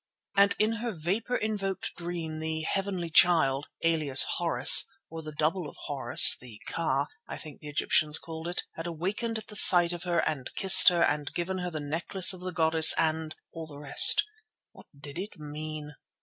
And in her vapour invoked dream the "Heavenly Child," alias Horus, or the double of Horus, the Ka, I think the Egyptians called it, had awakened at the sight of her and kissed her and given her the necklace of the goddess, and—all the rest. What did it mean?